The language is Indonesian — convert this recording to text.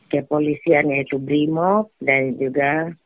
kepolisian yaitu brimob dan juga